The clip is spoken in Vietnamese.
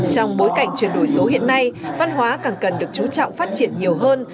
trong bối cảnh chuyển đổi số hiện nay văn hóa càng cần được chú trọng phát triển nhiều hơn